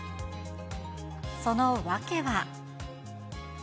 その訳は。